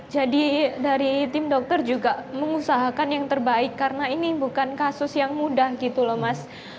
jadi dari tim dokter juga mengusahakan yang terbaik karena ini bukan kasus yang mudah gitu loh mas